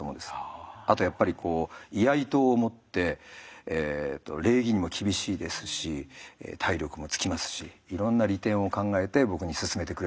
あとやっぱりこう居合刀を持って礼儀にも厳しいですし体力もつきますしいろんな利点を考えて僕に勧めてくれたんだと思います。